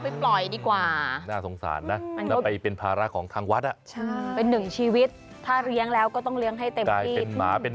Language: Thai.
เป็นบาปนะถ้าไม่ปล่อยวัดแบบนั้น